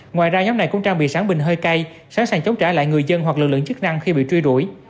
ngoài ra nhóm này cũng trang bị sáng bình hơi cay sẵn sàng chống trả lại người dân hoặc lực lượng chức năng khi bị truy đuổi